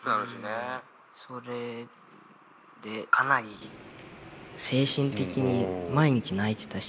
それでかなり精神的に毎日泣いてたし。